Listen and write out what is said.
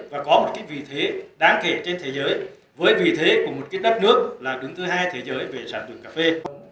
và có một vị thế đáng kể trên thế giới với vị thế của một đất nước là đứng thứ hai thế giới về sản phẩm cà phê